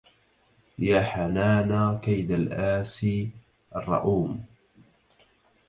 يا حنانا كيد الآسي الرؤوم